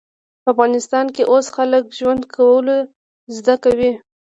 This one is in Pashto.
په افغانستان کې اوس خلک ژوند کول زده کوي